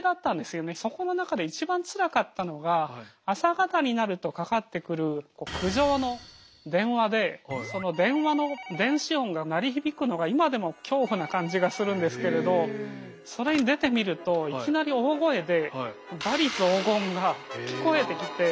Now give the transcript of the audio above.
そこの中で一番つらかったのがその電話の電子音が鳴り響くのが今でも恐怖な感じがするんですけれどそれに出てみるといきなり大声で罵詈雑言が聞こえてきて。